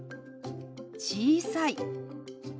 「小さい」。